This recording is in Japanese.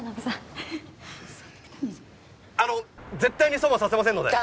あの絶対に損はさせませんので。